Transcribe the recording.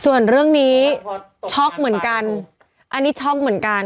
ส่วนเรื่องนี้ช็อกเหมือนกันอันนี้ช็อกเหมือนกัน